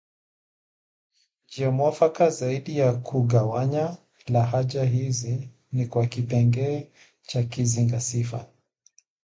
njia mwafaka zaidi ya kugawanya lahaja hizi ni kwa kipengee cha kizinga sifa